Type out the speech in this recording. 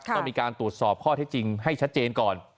ต้องมีการตรวจสอบข้อเท็จจริงให้ชัดเจนก่อน